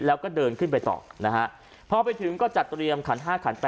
แล้วก็เดินขึ้นไปต่อนะฮะพอไปถึงก็จัดเตรียมขัน๕ขัน๘